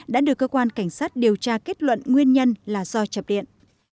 đã được cơ quan cảnh sát điều tra kết luận nguyên nhân là do chập điện